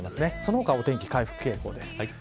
その他はお天気回復傾向です。